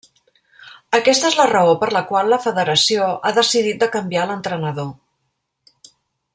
Aquesta és la raó per la qual la Federació ha decidit de canviar l'entrenador.